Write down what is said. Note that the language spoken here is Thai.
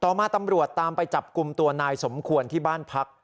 มาตำรวจตามไปจับกลุ่มตัวนายสมควรที่บ้านพัก